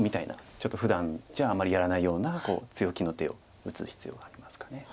ちょっとふだんじゃあまりやらないような強気の手を打つ必要がありますかね。